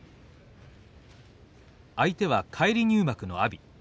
相手は返り入幕の阿炎。